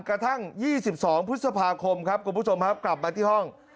กระทั่ง๒๒พฤษภาคมครับคุณผู้ชมครับกลับมาที่ห้อง